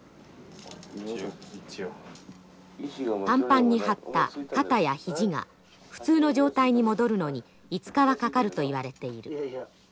パンパンに張った肩や肘が普通の状態に戻るのに５日はかかるといわれている。